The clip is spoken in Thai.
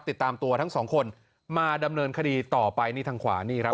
ติดตามตัวทั้งสองคนมาดำเนินคดีต่อไปนี่ทางขวานี่ครับ